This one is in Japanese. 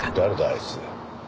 あいつ。